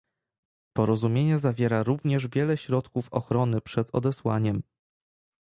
Porozumienie zawiera również wiele środków ochrony przed odesłaniem